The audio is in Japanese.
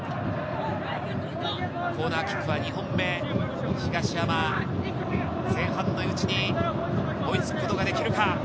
コーナーキックは２本目、東山、前半のうちに追いつくことができるか？